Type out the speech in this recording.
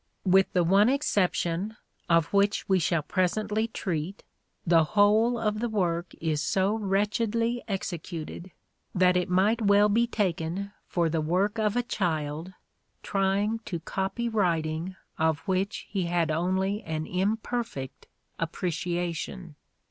With the one exception, of which we shall presently treat, the whole of the work is so wretchedly executed that it might well be taken for the work of a child trying to copy writing of which he had only an im 48 " SHAKESPEARE " IDENTIFIED perfect appreciation.